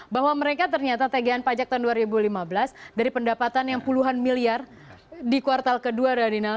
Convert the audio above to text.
bahwa mereka ternyata tgan pajak tahun dua ribu lima belas dari pendapatan yang puluhan miliar di kuartal kedua radinal